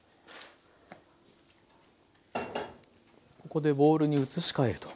ここでボウルに移し替えると。